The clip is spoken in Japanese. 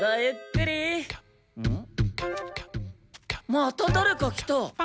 まただれか来た。